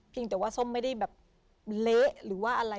แต่ว่าส้มไม่ได้แบบเละหรือว่าอะไร